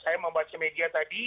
saya membaca media tadi